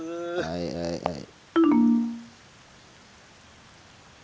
はいはいはい。